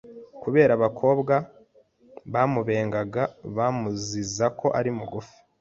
kubera abakobwa bamubengaga bamuziza ko ari mugufi